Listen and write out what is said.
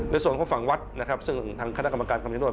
ในส่วนของฝั่งวัดนะครับซึ่งทางคณะกรรมการคำนิวท